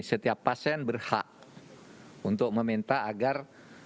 setiap pasien berhak untuk meminta agar